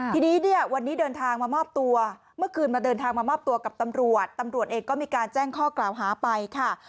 ทีนี้เนี่ยวันนี้เดินทางมามอบตัวเมื่อคืนมาเดินทางมามอบตัวกับตำรวจตำรวจเองก็มีการแจ้งข้อกล่าวหาไปค่ะ